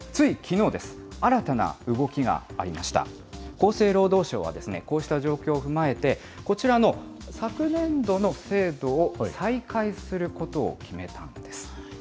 厚生労働省はこうした状況を踏まえて、こちらの昨年度の制度を再開することを決めたんです。